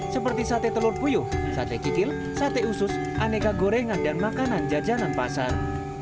seperti sate telur puyuh sate kikil sate usus aneka gorengan dan makanan jajanan pasar